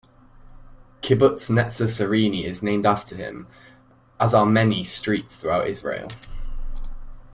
Kibbutz Netzer Sereni is named after him, as are many streets throughout Israel.